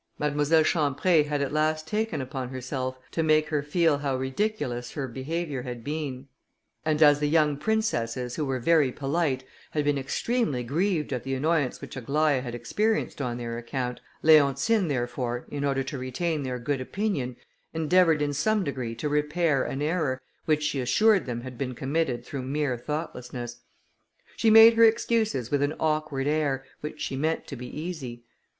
Mademoiselle Champré had at last taken upon herself to make her feel how ridiculous her behaviour had been: and as the young princesses, who were very polite, had been extremely grieved at the annoyance which Aglaïa had experienced on their account, Leontine, therefore, in order to retain their good opinion, endeavoured in some degree to repair an error, which she assured them had been committed through mere thoughtlessness. She made her excuses with an awkward air, which she meant to be easy.